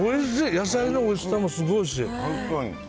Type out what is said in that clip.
野菜のおいしさもすごいし。